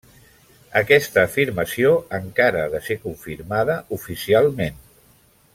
Aquesta afirmació encara ha de ser confirmada oficialment.